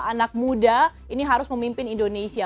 anak muda ini harus memimpin indonesia